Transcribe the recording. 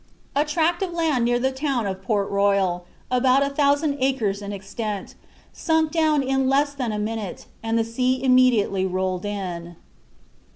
A tract of land near the town of Port Royal, about a thousand acres in extent, sunk down in less than one minute, and the sea immediately rolled in.